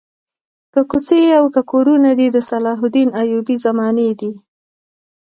که کوڅې او که کورونه دي د صلاح الدین ایوبي زمانې دي.